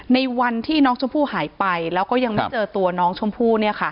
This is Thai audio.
ในวันที่น้องชมพู่หายไปแล้วก็ยังไม่เจอตัวน้องชมพู่